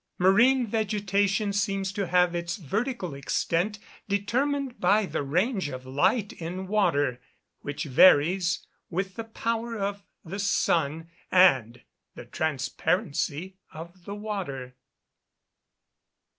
Marine vegetation seems to have its vertical extent determined by the range of light in water, which varies with the power of the sun and the transparency of the water.